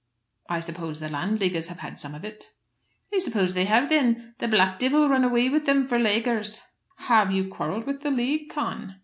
"I suppose the Landleaguers have had some of it." "I suppose they have, thin; the black divil run away with them for Laaguers!" "Have you quarrelled with the League, Con?"